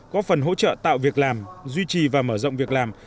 có phần hỗ trợ tạo việc làm duy trì và mở rộng việc làm